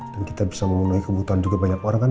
dan kita bisa memenuhi kebutuhan juga banyak orang kan